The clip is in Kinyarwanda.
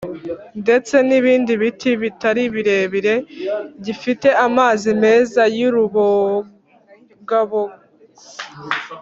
ndetse n’ibindi biti bitari birebire. Gifite amazi meza y’urubogabogo